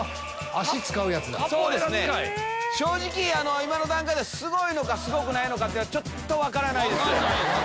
正直今の段階ですごいのかすごくないのかちょっと分からないです。